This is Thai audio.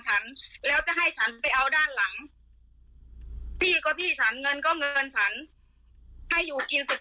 ฉันแล้วจะให้ฉันไปเอาด้านหลังพี่ก็พี่ฉันเงินก็เงินฉันให้อยู่กินเสร็จ